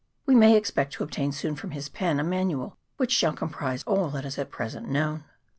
We may expect to obtain soon from his pen a manual which shall comprise all that is at present known.